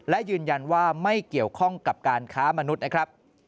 และยืนยันว่าไม่เกี่ยวข้องกับการค้ามนุษย์นะครับ